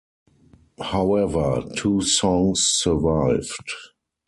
However two songs survived.